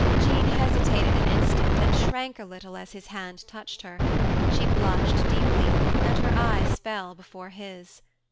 Jean hesitated an instant and shrank a little as his hand touched her; she blushed deeply, and her eyes fell before his.